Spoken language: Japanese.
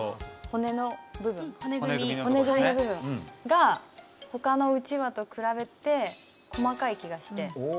骨の部分骨組み部分が他のうちわと比べて細かい気がして。